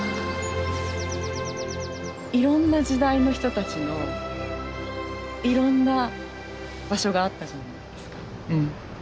いろんな時代の人たちのいろんな場所があったじゃないですか。